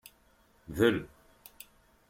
Del.